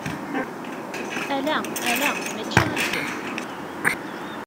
Ala, ala! Mačči akken.